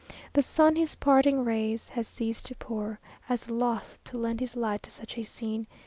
The sun his parting rays has ceased to pour, As loth to lend his light to such a scene....